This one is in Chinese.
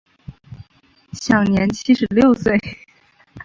享年七十六岁。